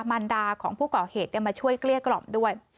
มันดาของผู้ก่อเหตุมาช่วยเกลี้ยกล่อมด้วย